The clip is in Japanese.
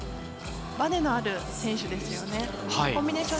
バネのある選手ですよね。